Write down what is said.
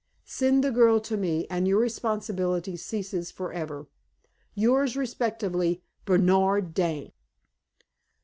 Send the girl to me, and your responsibility ceases forever. "Yours respectfully, "BERNARD DANE."